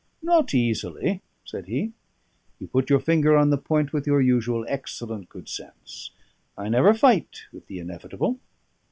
"Not easily," said he. "You put your finger on the point with your usual excellent good sense. I never fight with the inevitable."